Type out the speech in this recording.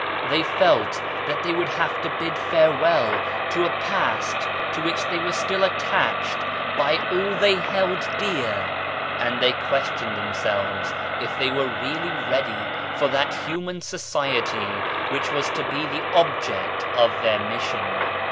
They felt that they would have to bid farewell to a past to which they were still attached by all they held dear, and they questioned them selves if they were really ready for that human society which was to be the object 72 BAHAISM of their mission